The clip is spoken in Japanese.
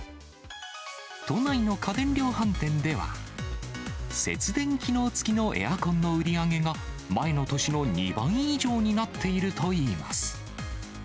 都内の家電量販店では、節電機能付きのエアコンの売り上げが、前の年の２倍以上になっているといいます。